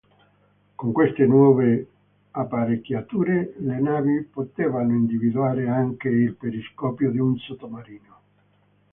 Con queste nuove apparecchiature le navi potevano individuare anche il periscopio di un sottomarino.